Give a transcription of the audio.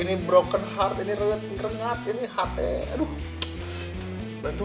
ini broken heart ini relat keringat ini hati